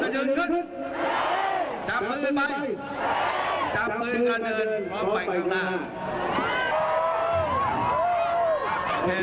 ขวัดอยู่ที่ไหนขวัดอยู่ที่จับทางผู้ชายขวัดอยู่ที่ใจ